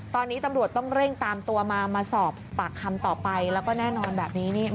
ตอนนี้ตำรวจต้องเร่งตามตัวมามาสอบปากคำต่อไปแล้วก็แน่นอนแบบนี้เนี่ย